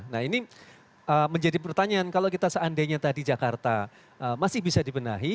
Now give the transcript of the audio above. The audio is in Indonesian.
nah ini menjadi pertanyaan kalau kita seandainya tadi jakarta masih bisa dibenahi